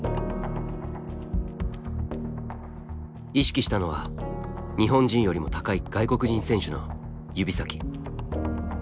意識したのは日本人よりも高い外国人選手の指先。